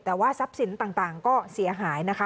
แต่ว่าทรัพย์สินต่างก็เสียหายนะคะ